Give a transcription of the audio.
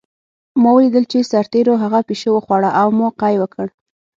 ما ولیدل چې سرتېرو هغه پیشو وخوړه او ما قی وکړ